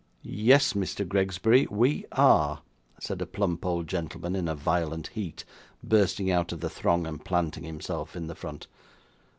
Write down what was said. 'Yes, Mr. Gregsbury, we are,' said a plump old gentleman in a violent heat, bursting out of the throng, and planting himself in the front.